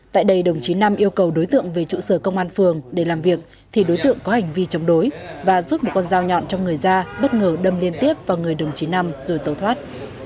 tại đây đồng chí nam yêu cầu đối tượng về trụ sở công an phường để làm việc thì đối tượng có hành vi chống đối và rút một con dao nhọn trong người ra bất ngờ đâm liên tiếp vào người đồng chí nam rồi tẩu thoát